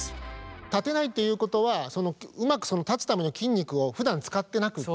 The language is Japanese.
立てないっていうことはうまく立つための筋肉をふだん使ってなくて。